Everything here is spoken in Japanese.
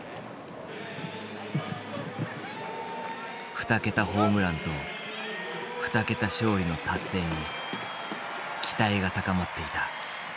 ２桁ホームランと２桁勝利の達成に期待が高まっていたこの試合。